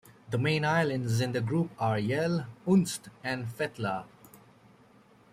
The main islands in the group are Yell, Unst and Fetlar.